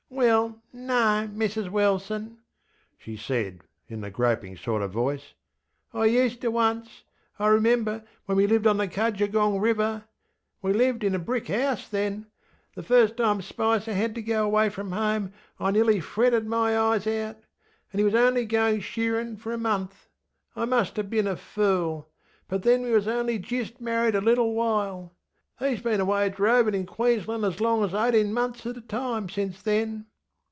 ŌĆÖ ŌĆśWellŌĆöno, Mrs Wilson, ŌĆÖ she said in the groping sort of voice. ŌĆśI uster, once. I remember, when we lived on the Cudgeegong riverŌĆö we lived in a brick house thenŌĆöthe first time Spicer had to go away from home I nearly fretted my eyes out. And he was only goinŌĆÖ shearinŌĆÖ for a month. I muster bin a fool; but then we were only jist married a little while. HeŌĆÖs been away drovinŌĆÖ in QueenslanŌĆÖ as long as eighteen months at a time since then.